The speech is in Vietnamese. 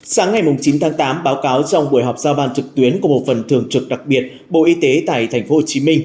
sáng ngày chín tháng tám báo cáo trong buổi họp giao ban trực tuyến của bộ phần thường trực đặc biệt bộ y tế tại tp hcm